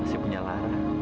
masih punya lara